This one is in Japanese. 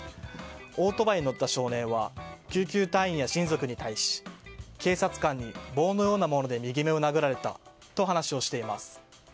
オートバイに乗った少年は救急隊員や親族に対し警察官に棒のようなもので右目を殴られたと話をしています。